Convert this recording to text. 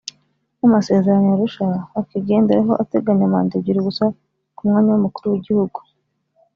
n’amasezerano ya Arusha bakigenderaho ateganya manda ebyiri gusa k’umwanya w’umukuru w’igihugu